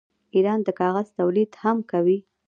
ایران د کاغذ تولید هم کوي.